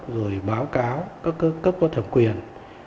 rồi báo cáo các cấp có thẩm quyền